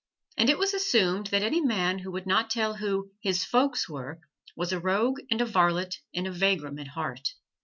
And it was assumed that any man who would not tell who "his folks" were, was a rogue and a varlet and a vagrom at heart.